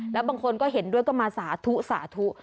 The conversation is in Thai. แล้วบางคนก็เห็นด้วยมาสาถุ